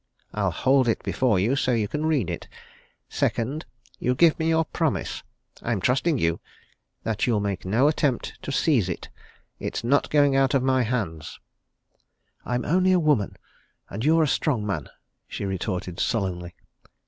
I'll hold it before you, so you can read it. Second you give me your promise I'm trusting you that you'll make no attempt to seize it. It's not going out of my hands." "I'm only a woman and you're a strong man," she retorted sullenly.